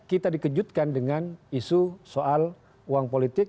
kita dikejutkan dengan isu soal uang politik